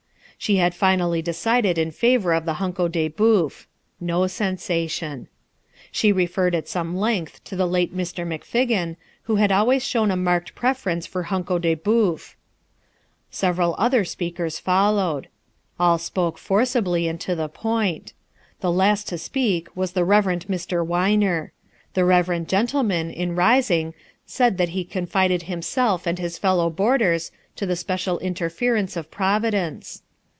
She had finally decided in favour of the hunko de bœuf (no sensation). She referred at some length to the late Mr. McFiggin, who had always shown a marked preference for hunko de bœuf. Several other speakers followed. All spoke forcibly and to the point. The last to speak was the Reverend Mr. Whiner. The reverend gentleman, in rising, said that he confided himself and his fellow boarders to the special interference of providence.